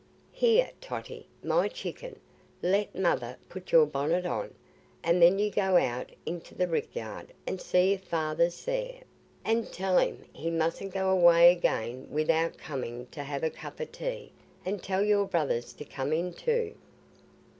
Here, Totty, my chicken, let mother put your bonnet on, and then you go out into the rick yard and see if Father's there, and tell him he mustn't go away again without coming t' have a cup o' tea; and tell your brothers to come in too."